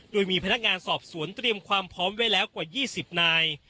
โดยมีพนักงานสอบสวนเตรียมความพร้อมไว้แล้วกว่า๒๐นาย